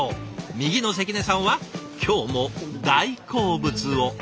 右の関根さんは今日も大好物を。